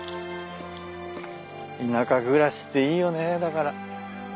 田舎暮らしっていいよねだから。